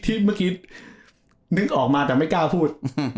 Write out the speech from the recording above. เมื่อกี้นึกออกมาแต่ไม่กล้าพูด